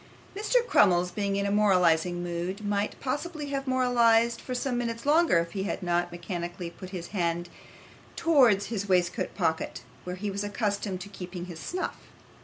Mr. Crummles being in a moralising mood, might possibly have moralised for some minutes longer if he had not mechanically put his hand towards his waistcoat pocket, where he was accustomed to keep his snuff.